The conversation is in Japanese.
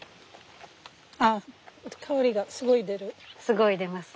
あっ香りがすごい出る。